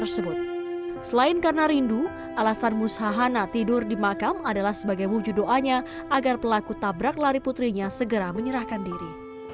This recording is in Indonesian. selain karena rindu alasan mushana tidur di makam adalah sebagai wujud doanya agar pelaku tabrak lari putrinya segera menyerahkan diri